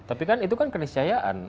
tapi kan itu kan keniscayaan